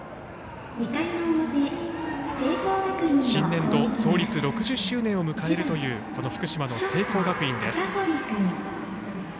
新年度創立６０周年を迎えるというこの福島の聖光学院です。